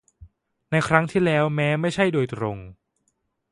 ในครั้งที่แล้วแม้ไม่ใช่โดยตรง